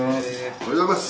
おはようございます。